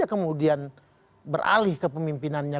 kemudian beralih ke pemimpinannya